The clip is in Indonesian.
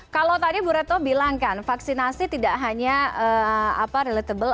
kalau tadi bu reto bilang kan vaksinasi tidak hanya relatable